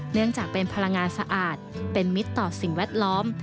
เนื่องจากเป็นพลังงานสะอาดเป็นมิตรต่อสิ่งแวดล้อม